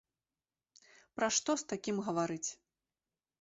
Пра што з такім гаварыць?